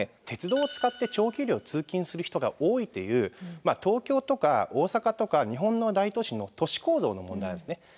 鉄道を使って長距離を通勤する人が多いという東京とか大阪とか日本の大都市の都市構造の問題なんですね。